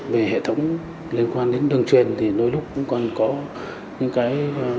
về hệ thống liên quan đến đường truyền thì đôi lúc cũng còn có những cái